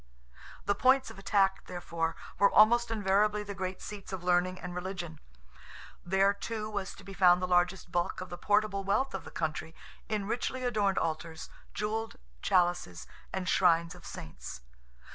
The points of attack, therefore, were almost invariably the great seats of learning and religion. There, too, was to be found the largest bulk of the portable wealth of the country, in richly adorned altars, jewelled chalices, and shrines of saints.